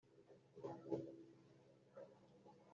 hakurikijwe ibyemezo bya Kongere